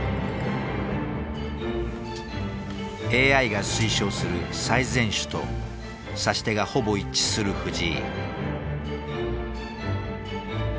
ＡＩが推奨する最善手と指し手がほぼ一致する藤井。